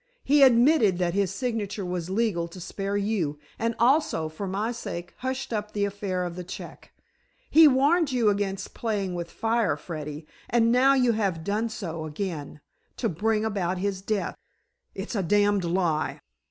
He admitted that his signature was legal to spare you, and also, for my sake, hushed up the affair of the check. He warned you against playing with fire, Freddy, and now you have done so again, to bring about his death." "It's a damned lie."